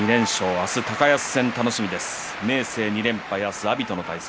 明日は高安戦、楽しみです。